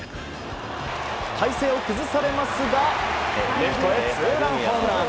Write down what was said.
体勢を崩されますがレフトへ、ツーランホームラン。